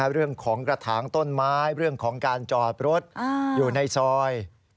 เรื่องของกระถางต้นไม้เรื่องของการจอดรถอยู่ในซอย